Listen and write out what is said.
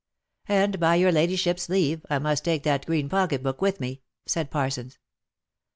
" And by your ladyship's leave I must take that green pocket book with me," said Parsons.